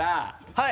はい。